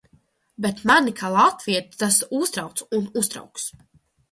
Bet mani kā latvieti tas uztrauc un uztrauks!